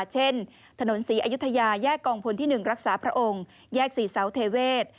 ถนนศรีอยุธยาแยกกองพลที่๑รักษาพระองค์แยกศรีเสาเทเวศ